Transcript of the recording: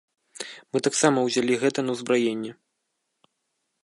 Мы таксама ўзялі гэта на ўзбраенне.